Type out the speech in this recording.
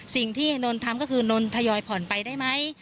สิ่งที่นนท์ทำก็คือนนทยอยผ่อนไปได้ไหม